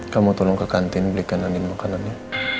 kamu tolong ke kantin belikan angin makanan ya